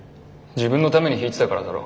自分のために弾いてたからだろ。